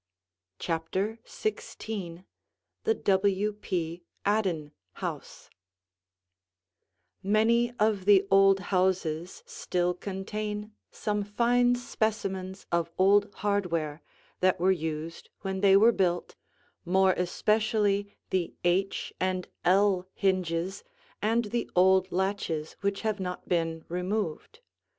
CHAPTER XVI THE W. P. ADDEN HOUSE Many of the old houses still contain some fine specimens of old hardware that were used when they were built, more especially the H and L hinges and the old latches which have not been removed.